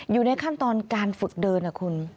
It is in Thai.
อยู่ในขั้นตอนการฝึกเดินนะคุณ